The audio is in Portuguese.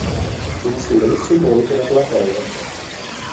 um silêncio morto na platéia